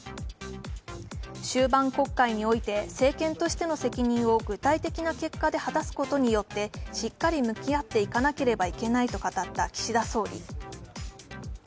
終盤国会において政権としての責任を具体的な結果で果たすことによってしっかり向き合っていかなければいけないと語った岸田総理。